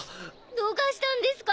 どうかしたんですか？